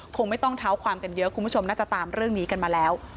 คงไม่ต้องเท้าความกันเยอะคุณผู้ชมน่าจะตามเรื่องนี้กันมาแล้ว